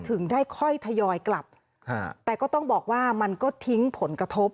ถึงได้ค่อยทยอยกลับแต่ก็ต้องบอกว่ามันก็ทิ้งผลกระทบ